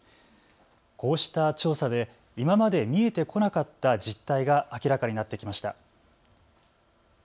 こうした調査で今まで見えてこなかった実態が明らかになってきました。